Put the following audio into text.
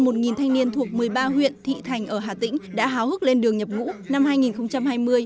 một thanh niên thuộc một mươi ba huyện thị thành ở hà tĩnh đã háo hức lên đường nhập ngũ năm hai nghìn hai mươi